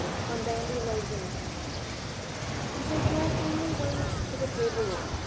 V ON BANDY LEG MOUNTAIN And so Joel finally went to the cave alone.